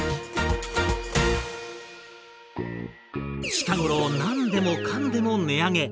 近頃何でもかんでも値上げ。